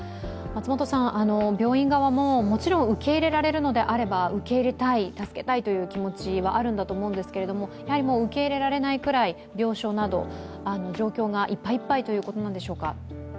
病院側ももちろん受け入れられるのであれば受け入れたい、助けたいという気持ちはあるんだと思いますがやはり受け入れられないくらい病床など、状況がいっぱいいっぱいということなんでしょうか。